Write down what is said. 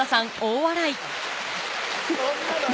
そんなの。